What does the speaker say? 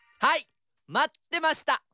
はいまってました！